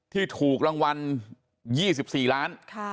ที่ถูกรางวัล๒๔ล้าน